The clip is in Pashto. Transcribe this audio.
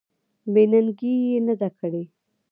بې ننګي یې نه ده کړې.